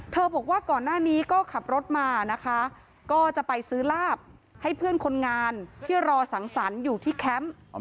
บอกว่าก่อนหน้านี้ก็ขับรถมานะคะก็จะไปซื้อลาบให้เพื่อนคนงานที่รอสังสรรค์อยู่ที่แคมป์